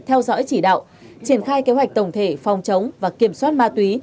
theo dõi chỉ đạo triển khai kế hoạch tổng thể phòng chống và kiểm soát ma túy